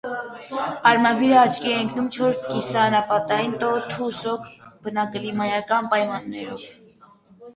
Արմավիրը աչքի է ընկնում չոր, կիսաանապատային տոթ ու շոգ բնակլիմայական պայմաններով։